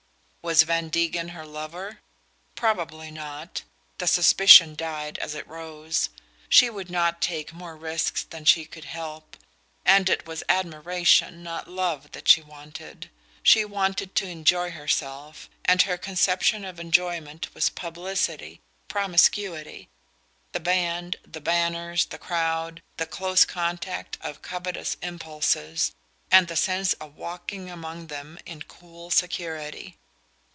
Was Van Degen her lover? Probably not the suspicion died as it rose. She would not take more risks than she could help, and it was admiration, not love, that she wanted. She wanted to enjoy herself, and her conception of enjoyment was publicity, promiscuity the band, the banners, the crowd, the close contact of covetous impulses, and the sense of walking among them in cool security.